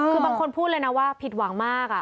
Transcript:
คือบางคนพูดเลยนะว่าผิดหวังมาก